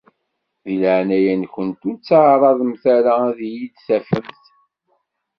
Di leɛnaya-nkent ur ttaɛraḍemt ara ad iyi-d-tafemt.